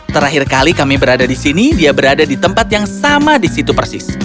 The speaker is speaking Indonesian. terakhir kali kami berada di sini dia berada di tempat yang sama di situ persis